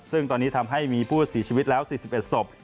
ซึ่งตอนนี้ทำให้มีผู้เสียชีวิตแล้ว๔๑ศพ